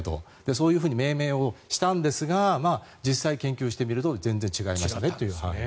そういうふうに命名したんですが実際、研究してみると全然違いましたねという。